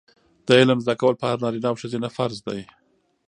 د علم زده کول په هر نارینه او ښځینه فرض دي.